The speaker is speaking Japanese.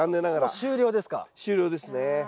終了ですね。